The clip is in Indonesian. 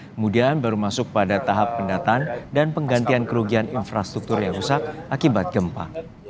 kemudian baru masuk pada tahap pendataan dan penggantian kerugian infrastruktur yang rusak akibat gempa